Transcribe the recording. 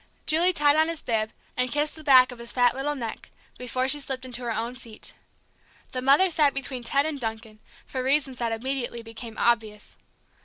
Julie tied on his bib, and kissed the back of his fat little neck, before she slipped into her own seat. The mother sat between Ted and Duncan, for reasons that immediately became obvious.